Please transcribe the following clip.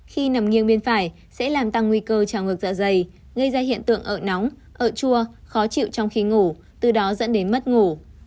khi nằm nghiêng bên phải sẽ làm tăng nguy cơ trào ngược dạ dày gây ra hiện tượng ở nóng ậu chua khó chịu trong khi ngủ từ đó dẫn đến mất ngủ